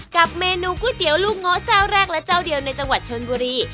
กับเมนูก๋วยเตี๋ยวลูกโงะเจ้าแรกและเจ้าเดียวในจังหวัดชนบุรี